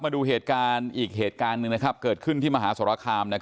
มาดูเหตุการณ์อีกเหตุการณ์หนึ่งเกิดขึ้นที่มหาสรคาม